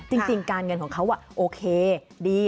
จริงการเงินของเขาโอเคดี